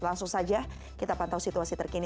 langsung saja kita pantau situasi terkini